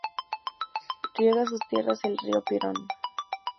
Riega sus tierras el río Pirón.